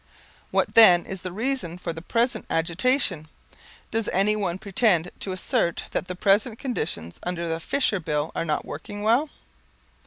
What then is the reason for the present agitation? Does any one pretend to assert that the present conditions under the Fisher Bill are not working well?